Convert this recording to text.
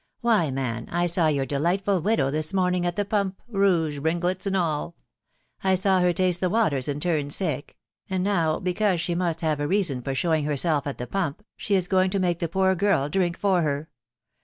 Why, man, I saw your delightful widow this morning at the pump, rouge, ringlets, and all ;.... I saw her taste the waters and turn sick ; and now, because she must have a reason for showing herself at the pump, she is going to make the poor girl drink for her.